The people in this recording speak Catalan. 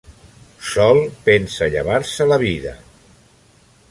Sol, pensa llevar-se la vida.